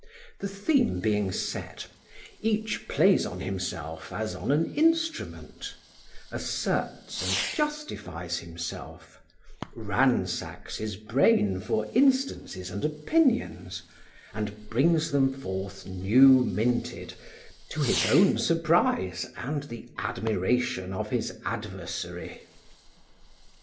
The theme being set, each plays on himself as on an instrument; asserts and justifies himself; ransacks his brain for instances and opinions, and brings them forth new minted, to his own surprise and the admiration of his adversary.